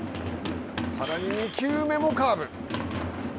さらに２球目もカーブ。